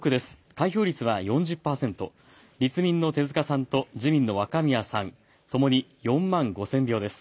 開票率は４０％、立民の手塚さんと自民の若宮さん、ともに４万５０００票です。